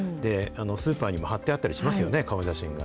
スーパーにも貼ってあったりしますよね、顔写真が。